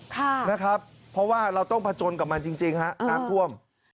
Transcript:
ค่ะนะครับเพราะว่าเราต้องผจญกับมันจริงฮะงากก้วม